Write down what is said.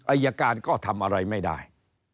อายการก็ทำอะไรไม่ได้